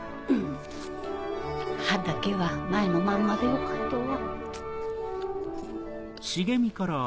歯だけは前のまんまでよかったわ。